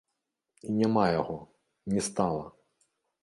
І няма яго, не стала.